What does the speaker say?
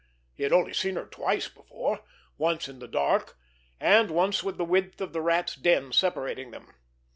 He had only seen her twice before—once in the dark; and once with the width of the Rat's den separating them.